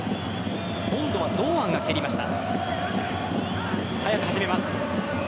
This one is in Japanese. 今度は堂安が蹴りました。